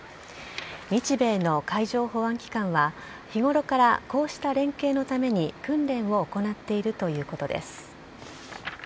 日米の海上保安機関は日頃から、こうした連携のために訓練を行っているということです。